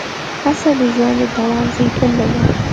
هڅه د ژوند د دوام زېږنده ده.